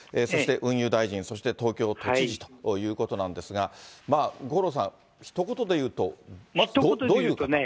そして運輸大臣、そして東京都知事ということなんですが、まあ五郎さん、ひと言で言うと、どういう方？